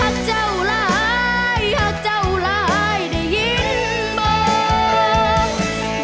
เจ้าหลายหักเจ้าหลายได้ยินบอก